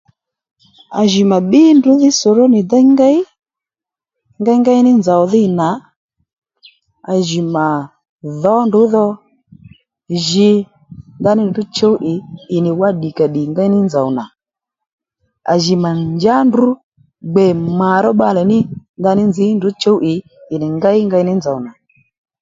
À jì mà bbí ndrǔdhí soronì déy ngéy ngéngéy ní nzòw dhî nà à jì mà dhǒ ndrǔ dho jǐ ndaní ndrǔ chǔw ì ì nì wá ddìkàddì ngéy ní nzòw nà à jì mà njǎ ndrǔ gbè mà ró bbalè ní ndaní nzǐ ndrǔ chǔw ì ì nì ngéy ngéy ní nzòw nà